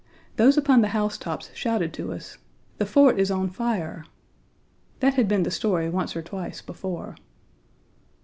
Those upon the housetops shouted to us "The fort is on fire." That had been the story once or twice before.